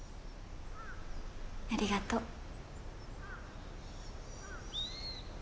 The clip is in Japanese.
ありがとう。